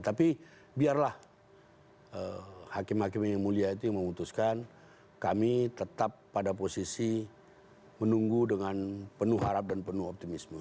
tapi biarlah hakim hakim yang mulia itu yang memutuskan kami tetap pada posisi menunggu dengan penuh harap dan penuh optimisme